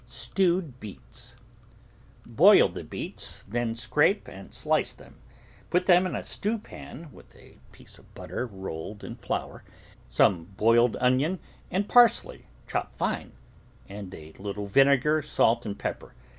STEWED BEETS Boil the beets, then scrape and slice them. Put them in a stew pan, with a piece of butter rolled in flour, some boiled onion and parsley, chopped fine, and a little vinegar, salt, and pepper.